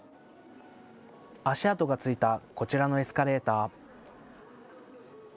足跡がついたこちらのエスカレーター。